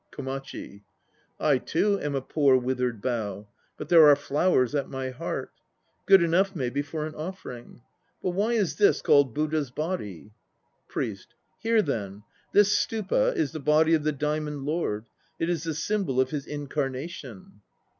KOMACHI. I too am a poor withered bough. But there are flowers at my heart, 2 Good enough, maybe, for an offering. But why is this called Buddha's body? PRIEST. Hear then! This Stupa is the Body of the Diamond Lord. 3 It is the symbol of his incarnation.